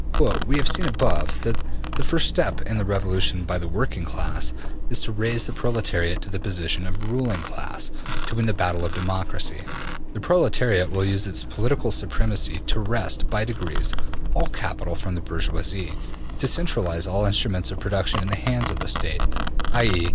``We have seen above, that the first step in the revolution by the working class, is to raise the proletariat to the position of ruling class, to win the battle of democracy. The proletariat will use its political supremacy to wrest, by degrees, all capital from the bourgeoisie, to centralize all instruments of production in the hands of the State, i.e.